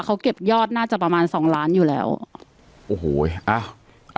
เขาเก็บยอดน่าจะประมาณสองล้านอยู่แล้วโอ้โหอ้าว